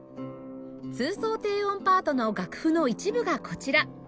通奏低音パートの楽譜の一部がこちら